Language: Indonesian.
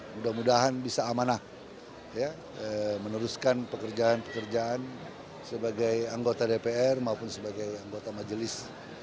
mudah mudahan bisa amanah meneruskan pekerjaan pekerjaan sebagai anggota dpr maupun sebagai anggota majelis